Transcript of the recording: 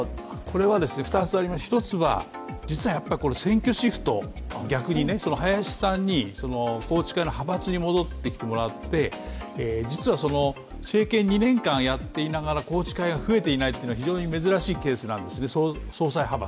これは２つありまして１つは、選挙シフト、林さんに宏池会の宏池会、派閥に戻ってきてもらって、実は政権を２年間やって、宏池会が増えていないというのは非常に珍しいケースなんですね、総裁派閥。